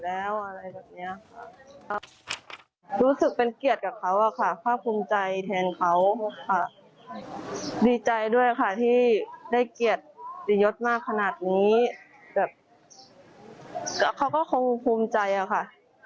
อันนี้แบบเขาก็คงภูมิใจค่ะ